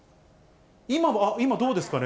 今、どうですかね？